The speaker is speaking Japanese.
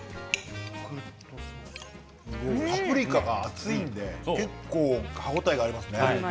パプリカが厚いので結構歯応えがありますね。